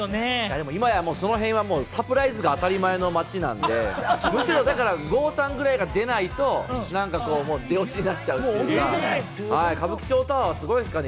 でも今はその辺はサプライズが当たり前の街なので、むしろ、だから郷さんぐらいが出ないと、もう出オチになっちゃうという歌舞伎町タワーはすごいですからね。